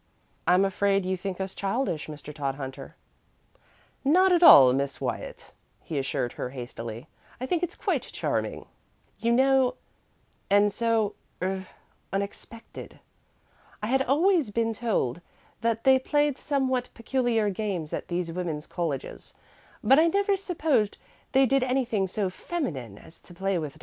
"I'm afraid you think us childish, Mr. Todhunter," said Patty. "Not at all, Miss Wyatt," he assured her hastily. "I think it quite charming, you know, and so er unexpected. I had always been told that they played somewhat peculiar games at these women's colleges, but I never supposed they did anything so feminine as to play with dolls."